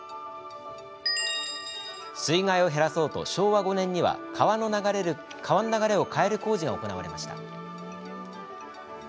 水害を減らそうと、昭和５年には川の流れを変える工事が行われました。